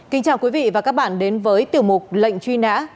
kính chào quý vị và các bạn đến với tiểu mục lệnh truy nã